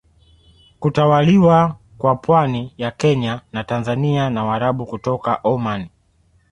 Kutawaliwa kwa pwani ya Kenya na Tanzania na Waarabu kutoka Omani